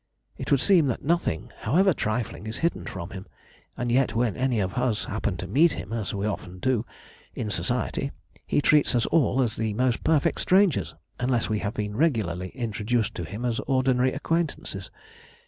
"It would seem that nothing, however trifling, is hidden from him; and yet when any of us happen to meet him, as we often do, in Society, he treats us all as the most perfect strangers, unless we have been regularly introduced to him as ordinary acquaintances.